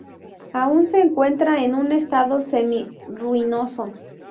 Aún se encuentra en un estado semi-ruinoso.